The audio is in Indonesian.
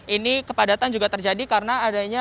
ini kepadatan juga terjadi karena adanya